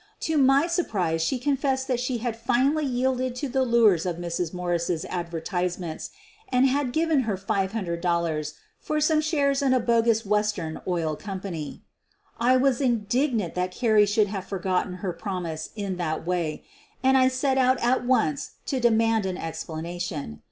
To my surprise she con fessed that she had finally yielded to the lures of Mrs. Morse's advertisements and had given her $500 for some shares in a bogus western oil com pany. I was indignant that Carrie should have forgot ten her promise in that way, and I set out at once to demand an explanation.